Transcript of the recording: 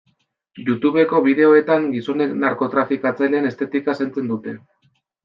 Youtubeko bideoetan gizonek narkotrafikatzaileen estetika zaintzen dute.